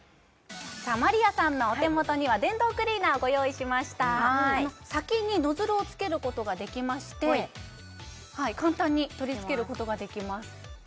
まりあさんのお手元には電動クリーナーご用意しました先にノズルをつけることができまして簡単に取り付けることができます